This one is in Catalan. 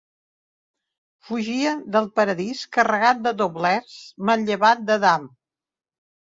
Fugia del paradís carregat de doblers manllevat d'Adam.